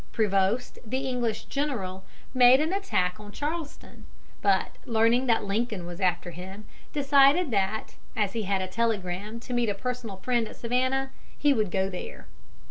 Prevost, the English general, made an attack on Charleston, but, learning that Lincoln was after him, decided that, as he had a telegram to meet a personal friend at Savannah, he would go there.